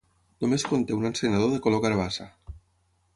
Només conté un encenedor de color carbassa.